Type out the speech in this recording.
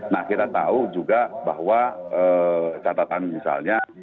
nah kita tahu juga bahwa catatan misalnya